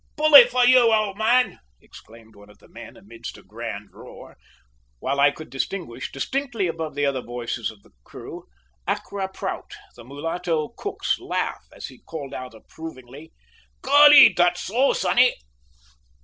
"Bully for you, old man," exclaimed one of the men, amidst a grand roar, while I could distinguish, distinctly above the other voices of the crew, Accra Prout, the mulatto cook's laugh as he called out approvingly, "Golly, dat so, sonny!"